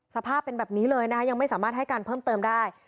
สภาพเป็นแบบนี้เลยนะคะยังไม่สามารถให้การเพิ่มเติมได้